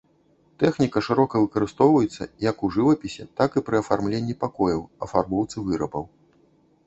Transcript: Тэхніка шырока выкарыстоўваецца як у жывапісе, так і пры афармленні пакояў, афарбоўцы вырабаў.